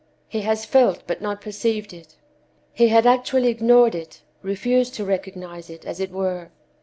He has felt but not perceived it. He had actually ignored it; refused to recognize it, as it were."